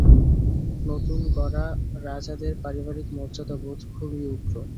নতুন-গড়া রাজাদের পারিবারিক মর্যাদাবোধ খুবই উগ্র।